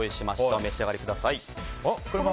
お召し上がりください。